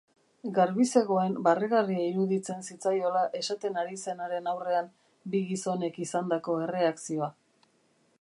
Garbi zegoen barregarria iruditzen zitzaiola esaten ari zenaren aurrean bi gizonek izandako erreakzioa.